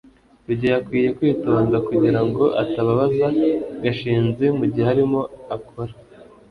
rugeyo akwiye kwitonda kugirango atababaza gashinzi mugihe arimo akora